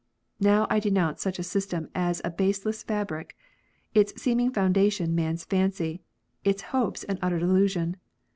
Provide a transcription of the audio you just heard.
Now I denounce such a system as a baseless fabric, its seeming foundation man s fancy, its hopes an utter delusion.